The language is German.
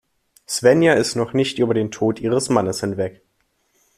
Svenja ist noch nicht über den Tod ihres Mannes hinweg.